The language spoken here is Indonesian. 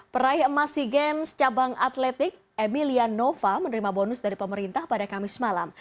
peraih emas sea games cabang atletik emilia nova menerima bonus dari pemerintah pada kamis malam